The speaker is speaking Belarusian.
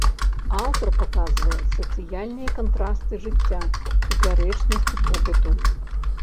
Аўтар паказвае сацыяльныя кантрасты жыцця, супярэчнасці побыту.